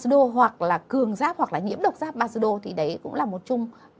basdo hoặc là cường giáp hoặc là nhiễm độc giáp basdo thì đấy cũng là một chung